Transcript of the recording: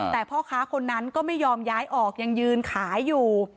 แต่พ่อค้าคนนั้นก็ไม่ยอมย้ายออกยังยืนขายอยู่